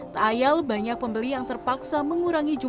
tak ayal banyak pembeli cabai yang gagal panen akibat cuaca ekstrim